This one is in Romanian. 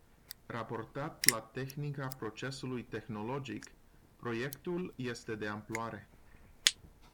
Raportat la tehnica procesului tehnologic, proiectul este de amploare